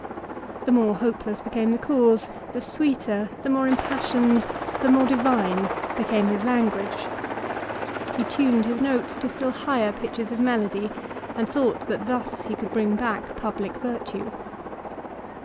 The more hopeless became the cause, the sweeter, the more impassioned, the more divine, became VOL. II. T 274 LIFE OF CICERO. his language. He tuned his notes to still higher pitches of melody, and thought that thus he could bring back public virtue.